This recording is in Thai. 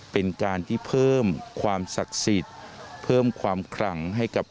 คนนี้คือว่าเออข้อให้